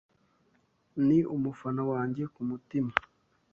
Ni umufana wange ku mutima